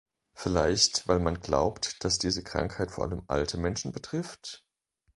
Vielleicht, weil man glaubt, dass diese Krankheit vor allem alte Menschen betrifft?